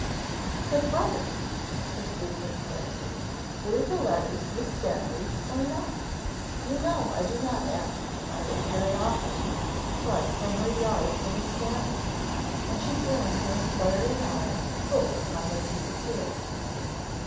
"But, brother," pursued Miss Clarendon, "were the letters Miss Stanley's, or not? You know I do not ask from idle curiosity, but from regard for Miss Stanley;" and she turned her inquiring eyes full upon Lady Cecilia.